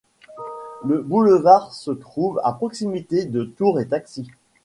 Le boulevard se trouve à proximité de Tour et Taxis.